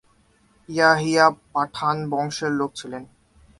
ইয়াহিয়া পাঠান বংশের লোক ছিলেন।